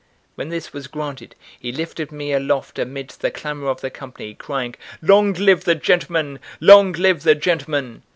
When this was granted, he lifted me aloft amid the clamour of the company, crying: "Long live the gentleman! long live the gentleman!"